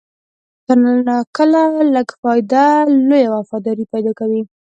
کله ناکله لږ ګټه، لویه وفاداري پیدا کوي.